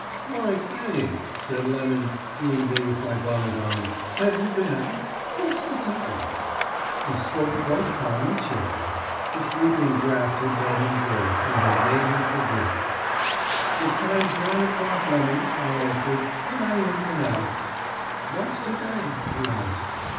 "'Why, Fanny,' said Lemon, seeing me with my bonnet on, 'have you been out? What's the time?' "He spoke quite calm and cheerful; the sleeping draught had done him good, and had made him forgit. "'The time's nine o'clock, Lemon,' I answered, 'and I ain't been out.' "'What's to day?' he asked.